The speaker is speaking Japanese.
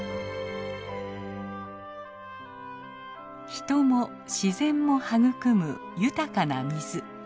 人も自然も育む豊かな水。